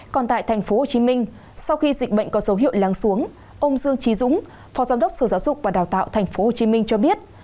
còn tại tp hcm sau khi dịch bệnh có dấu hiệu lắng xuống ông dương trí dũng phó giám đốc sở giáo dục và đào tạo tp hcm cho biết